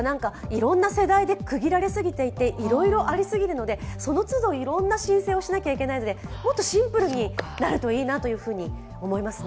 いろんな世代で区切られすぎていて、いろいろありすぎているので、その都度、いろんな申請をしないといけないので、もっとシンプルになるといいなと思います。